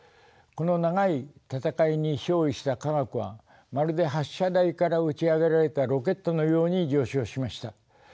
この長い戦いに勝利した科学はまるで発車台から打ち上げられたロケットのように上昇しました。